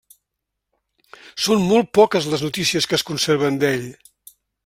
Són molt poques les notícies que es conserven d'ell.